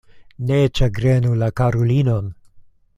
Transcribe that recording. Ne ĉagrenu la karulinon.